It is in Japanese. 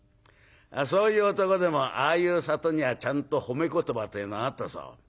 そういう男でもああいう里にはちゃんと褒め言葉というのがあったそう。